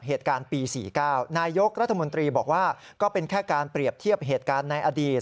เหตุการณ์ปี๔๙นายกรัฐมนตรีบอกว่าก็เป็นแค่การเปรียบเทียบเหตุการณ์ในอดีต